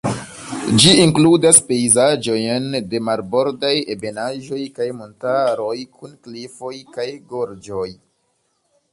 Ĝi inkludas pejzaĝojn de marbordaj ebenaĵoj kaj montaroj kun klifoj kaj gorĝoj.